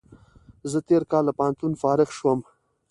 زه تېر کال له پوهنتون فارغ شوم